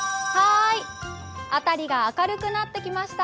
辺りが明るくなってきました。